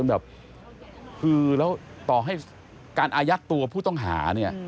แล้วต่อให้การอายัดตัวผู้ต้องหา